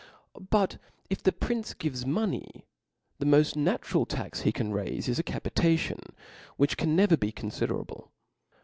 But if the prince gives money, the molt natural tax he can raife is a capitation, ivhich can^ne^cr be confidcrable.